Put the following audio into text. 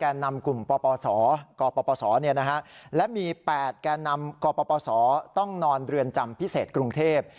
แก่นำกลุ่มปปศกปศและมี๘แก่นำกปศต้องนอนเรือนจำพิเศษกรุงเทพ